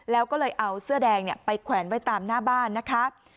แล้วก็เลยเอาเสื้อแดงไปแขวนไว้ตามหน้าบ้านนะคะ